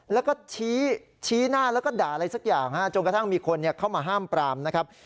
แล้วก็ชี้หน้าแล้วก็ด่าอะไรสักอย่างจนกระทั่งมีคนเข้ามาห้ามปรามนะครับ